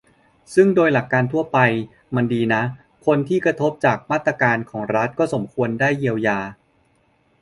ซึ่งโดยหลักการทั่วไปมันดีนะ คนที่กระทบจากมาตรการรัฐ ก็สมควรได้เยียวยา